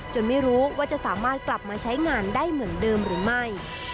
ไม่รู้ว่าจะสามารถกลับมาใช้งานได้เหมือนเดิมหรือไม่